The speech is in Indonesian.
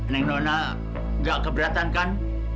neng nona gak keberatan kan